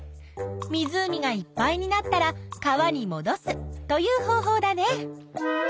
湖がいっぱいになったら川にもどすという方法だね。